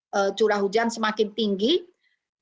artinya peningkatan curah hujan semakin tinggi dan di bulan januari